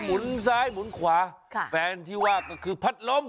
หุนซ้ายหมุนขวาแฟนที่ว่าก็คือพัดลม